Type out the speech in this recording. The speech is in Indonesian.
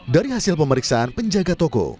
dari hasil pemeriksaan penjaga toko